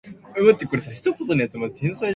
Females are dominant.